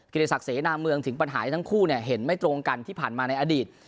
กิจศักดิ์เสนามเมืองถึงปัญหาทั้งคู่เนี่ยเห็นไม่ตรงกันที่ผ่านมาในอดีต